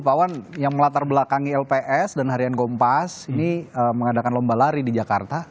pak wan yang melatar belakangi lps dan harian kompas ini mengadakan lomba lari di jakarta